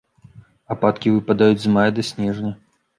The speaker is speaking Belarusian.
Ападкі выпадаюць з мая да снежня.